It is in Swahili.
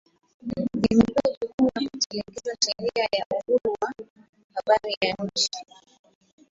Imepewa jukumu kutekeleza Sheria ya Uhuru wa Habari nchini